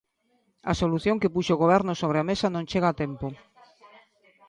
A solución que puxo o Goberno sobre a mesa non chega a tempo.